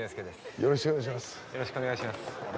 よろしくお願いします。